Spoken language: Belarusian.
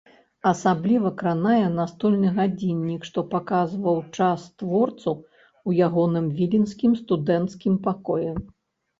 Асабліва кранае настольны гадзіннік, што паказваў час творцу ў ягоным віленскім студэнцкім пакоі.